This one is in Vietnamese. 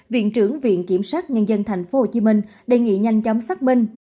viện trưởng viện kiểm sát nhân dân tp hcm đề nghị nhanh chóng xác minh